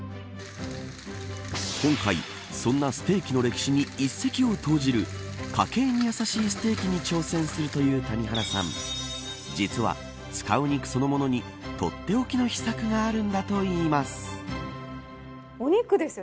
今回、そんなステーキの歴史に一石を投じる家計にやさしいステーキに挑戦するという谷原さん実は使う肉そのものにとっておきの秘策があるんだといいます。